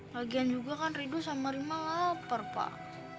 lagian juga kan rido sama rima lapar pak